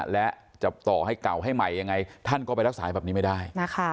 และจะต่อให้เก่าให้ใหม่ยังไงท่านก็ไปรักษาแบบนี้ไม่ได้